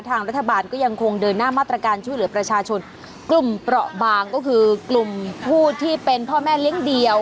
ทางรัฐบาลก็ยังคงเดินหน้ามาตรการช่วยเหลือประชาชนกลุ่มเปราะบางก็คือกลุ่มผู้ที่เป็นพ่อแม่เลี้ยงเดี่ยว